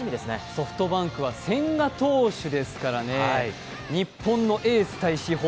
ソフトバンクは千賀投手ですからね、日本のエース対主砲。